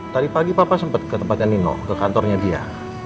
tadi pagi papa sempat ke tempatnya nino ke kantornya dia